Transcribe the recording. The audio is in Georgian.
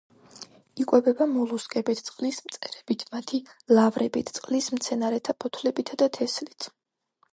იკვებება მოლუსკებით, წყლის მწერებით, მათი ლარვებით, წყლის მცენარეთა ფოთლებითა და თესლით.